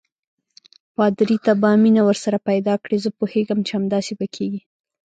پادري: ته به مینه ورسره پیدا کړې، زه پوهېږم چې همداسې به کېږي.